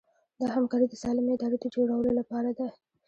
دا همکاري د سالمې ادارې د جوړولو لپاره ده.